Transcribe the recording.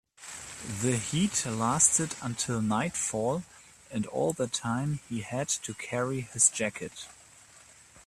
The heat lasted until nightfall, and all that time he had to carry his jacket.